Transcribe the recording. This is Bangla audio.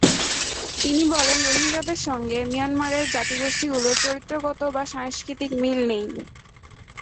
তিনি বলেন, রোহিঙ্গাদের সঙ্গে মিয়ানমারের জাতিগোষ্ঠীগুলোর চরিত্রগত বা সাংস্কৃতিক মিল নেই।